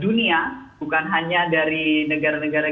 dan juga para pimpinan dunia bukan hanya dari negara negara g dua puluh